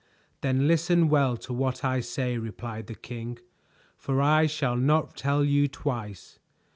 "Then listen well to what I say," replied the king, "for I shall not tell you twice.